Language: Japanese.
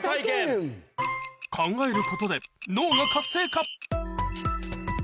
考えることで脳が活性化